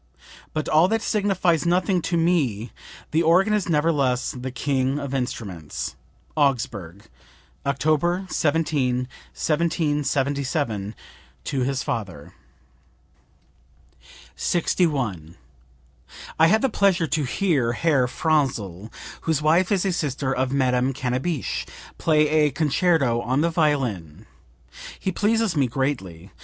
'But all that signifies nothing; to me the organ is nevertheless the king of instruments.' " (Augsburg, October 17, 1777, to his father.) 61. "I had the pleasure to hear Herr Franzl (whose wife is a sister of Madame Cannabich) play a concerto on the violin. He pleases me greatly.